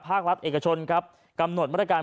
ภาครัฐเอกชนครับกำหนดมาตรการ